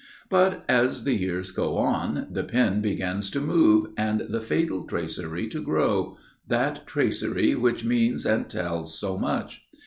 But, as the years go on, the pen begins to move and the fatal tracery to grow, that tracery which means and tells so much.